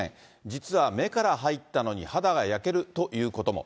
実は目から入ったのに、肌が焼けるということも。